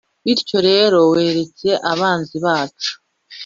Bityo rero, weretse abanzi bacu,